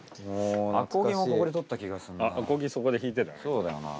そうだよな。